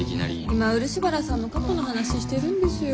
今漆原さんの過去の話してるんですよ。